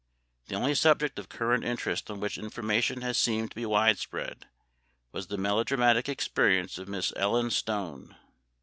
The only subject of current interest on which information has seemed to be widespread was the melodramatic experience of Miss Ellen Stone.